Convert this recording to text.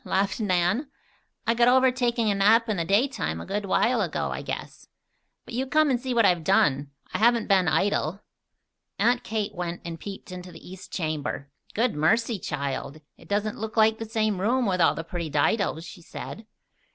laughed Nan. "I got over taking a nap in the daytime a good while ago, I guess. But you come and see what I have done. I haven't been idle." Aunt Kate went and peeped into the east chamber. "Good mercy, child! It doesn't look like the same room, with all the pretty didos," she said.